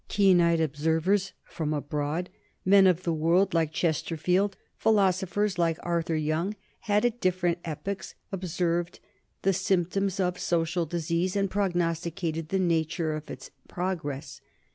Keen eyed observers from abroad, men of the world like Chesterfield, philosophers like Arthur Young, had at different epochs observed the symptoms of social disease and prognosticated the nature of its progress.